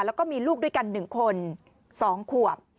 แล้วก็มีลูกด้วยกัน๑คน๒ขวบ